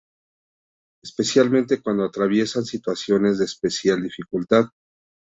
Especialmente cuando atraviesan situaciones de especial dificultad.